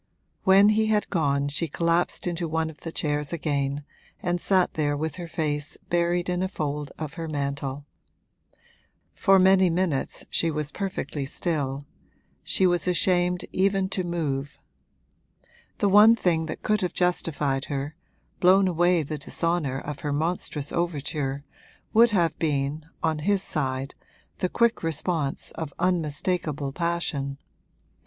When he had gone she collapsed into one of the chairs again and sat there with her face buried in a fold of her mantle. For many minutes she was perfectly still she was ashamed even to move. The one thing that could have justified her, blown away the dishonour of her monstrous overture, would have been, on his side, the quick response of unmistakable passion.